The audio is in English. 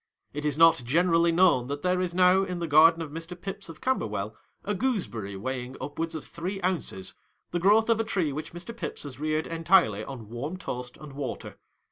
It is not generally known that there is now in the garden of Mr. Pips, of Camberwell, a gooseberry weighing up wards of three ounces, the growth of a tree which Mr. Pips has reared entirely on warm toast and water.